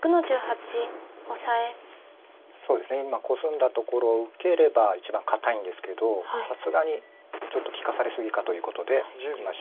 そうですね今コスんだところを受ければ一番堅いんですけどさすがにちょっと利かされ過ぎかということで今白。